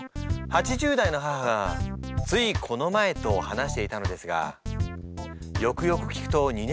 ８０代の母が『ついこの前』と話していたのですがよくよく聞くと２年前。